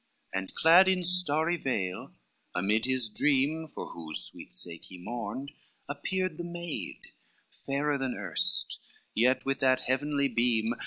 XCI And clad in starry veil, amid his dream, For whose sweet sake he mourned, appeared the maid, Fairer than erst, yet with that heavenly beam.